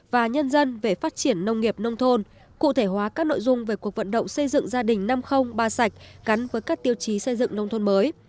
và nhân dân về phát triển nông nghiệp nông thôn cụ thể hóa các nội dung về cuộc vận động xây dựng gia đình năm trăm linh ba sạch gắn với các tiêu chí xây dựng nông thôn mới